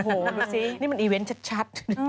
โอ้โหรู้สินี่มันอีเวนต์ชัด